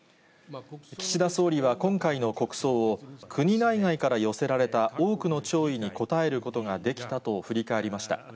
岸田総理は今回の国葬を、国内外から寄せられた多くの弔意に応えることができたと振り返りました。